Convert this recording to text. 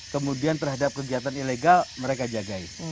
kemudian terhadap kegiatan ilegal mereka jagai